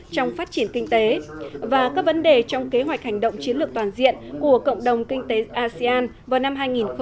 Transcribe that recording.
trong phát triển kinh tế và các vấn đề trong kế hoạch hành động chiến lược toàn diện của cộng đồng kinh tế asean vào năm hai nghìn hai mươi